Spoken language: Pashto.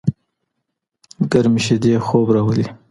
ګرمې شیدې خوب راولي.